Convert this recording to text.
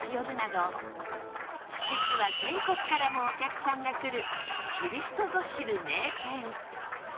実は全国からもお客さんが来る知る人ぞ知る名店